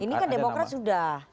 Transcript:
ini kan demokrat sudah